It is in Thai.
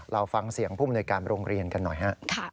เราฟังเสียงผู้มนวยการโรงเรียนกันหน่อยฮะ